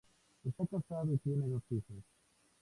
Está casado y tiene dos hijos.